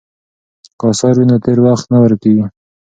که اثار وي نو تېر وخت نه ورکیږي.